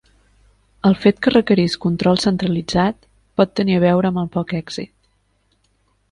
El fet que requerís control centralitzat, pot tenir a veure amb el poc èxit.